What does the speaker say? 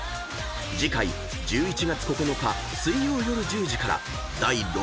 ［次回１１月９日水曜夜１０時から第６話放送］